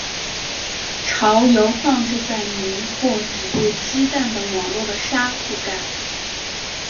巢由放置在泥或底部鸡蛋的网络的沙覆盖。